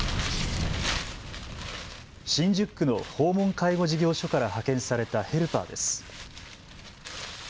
新宿区の訪問介護事業所から派遣されたヘルパーです。